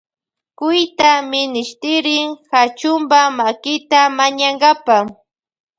Cuyta minishtirin Kachunpa makita mañankapa.